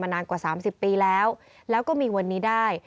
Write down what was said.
นานกว่า๓๐ปีแล้วแล้วก็มีวันนี้ได้